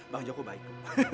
bang joko baik